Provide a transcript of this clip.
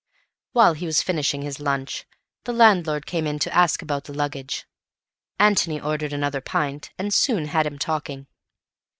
While he was finishing his lunch, the landlord came in to ask about the luggage. Antony ordered another pint, and soon had him talking.